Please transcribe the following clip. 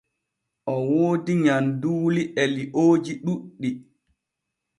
O woodi nyanduuli e liooji ɗuɗɗi.